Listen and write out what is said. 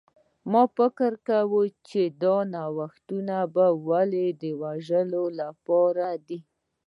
ما فکر کاوه چې دا نوښتونه ولې د وژلو لپاره دي